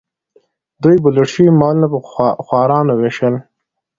دوی به لوټ شوي مالونه په خوارانو ویشل.